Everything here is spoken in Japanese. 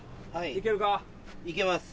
いけます。